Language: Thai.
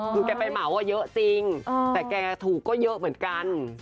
คือแกไปเหมาเยอะจริงแต่แกถูกก็เยอะเหมือนกัน